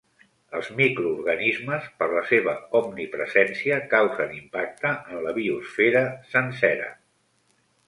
Els microorganismes, per la seva omnipresència, causen impacte en la biosfera sencera.